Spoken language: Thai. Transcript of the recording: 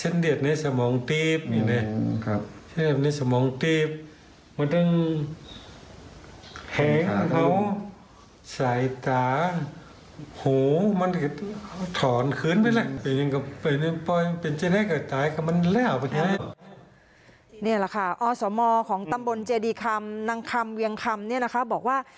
นี่แหละค่ะอสมของตำบลเจดีคำนางคำเวียงคำเนี่ยนะคะบอกว่า